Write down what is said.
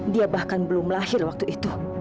dia bahkan belum lahir waktu itu